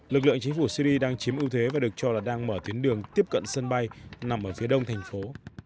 lực lượng chính phủ syri đang chiếm ưu thế và được cho là đang mở tuyến đường tiếp cận sân bay nằm ở phía đông thành phố